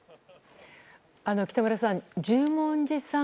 北村さん十文字さん